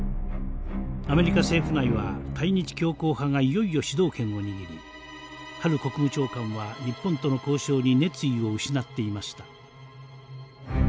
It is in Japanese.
アメリカ政府内は対日強硬派がいよいよ主導権を握りハル国務長官は日本との交渉に熱意を失っていました。